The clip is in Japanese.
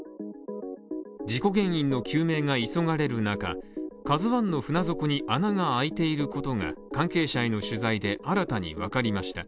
事故原因の究明が急がれる中「ＫＡＺＵⅠ」の船底に穴が空いていることが関係者への取材で新たに分かりました。